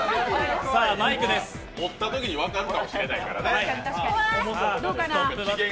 持ったときに分かるかもしれないからね。